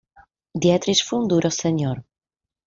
Dietrich fue un duro señor.